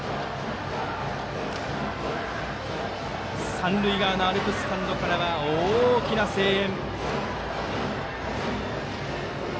三塁側のアルプススタンドからは大きな声援。